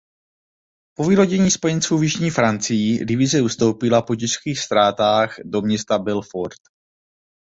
Po vylodění Spojenců v jižní Francii divize ustoupila po těžkých ztrátách do města Belfort.